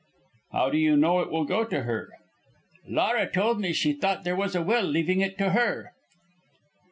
"How do you know it will go to her?" "Laura told me she thought there was a will leaving it to her."